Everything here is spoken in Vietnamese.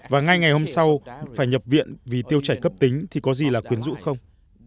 và ngay ngày hôm sau phải nhập viện vì tiêu chảy cấp tính thì có gì là quyến rũ không